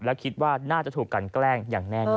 แล้วคิดว่าน่าจะถูกกันแกล้งอย่างแน่นอน